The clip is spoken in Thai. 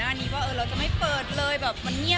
มันคิดว่าจะเป็นรายการหรือไม่มี